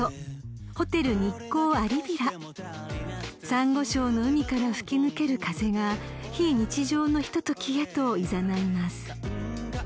［サンゴ礁の海から吹き抜ける風が非日常のひとときへといざないます］